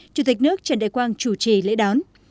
chủ tịch nước trần đại quang chủ trì lễ đón